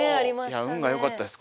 いや運がよかったです